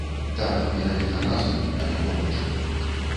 Так, менавіта разам, а не побач.